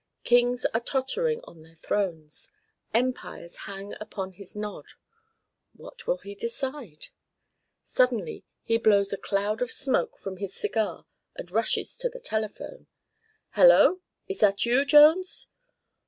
Kings are tottering on their thrones. Empires hang upon his nod. What will he decide? Suddenly he blows a cloud of smoke from his cigar, and rushes to the telephone. "Hallo! Is that you, Jones?...